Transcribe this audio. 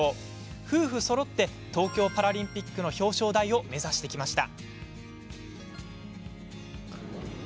夫婦そろって東京パラリンピックの表彰台を目指してきました。